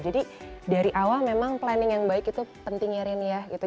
jadi dari awal memang planning yang baik itu pentingnya rin ya gitu